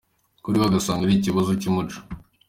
Kuri we agasanga ari ikibazo cy’umuco.